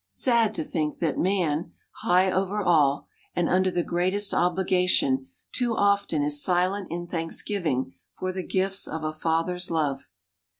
Sad to think that man, high over all, and under the greatest obligation, too often is silent in thanksgiving for the gifts of a Father's love.